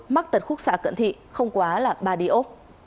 mắc tật khúc xạ cận thị không quá là ba đi ốc